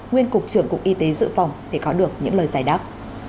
nguyên cục trưởng cục y tế dự phòng để có được những lời giải đáp